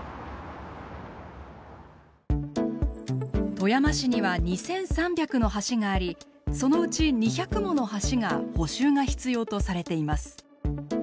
富山市には２，３００の橋がありそのうち２００もの橋が補修が必要とされています。